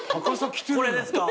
これですか？